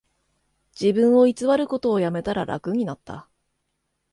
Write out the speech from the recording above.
自分を偽ることをやめたら楽になった